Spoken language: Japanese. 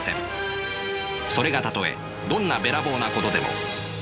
それがたとえどんなべらぼうなことでも。